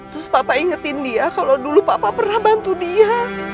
terus papa ingetin dia kalau dulu papa pernah bantu dia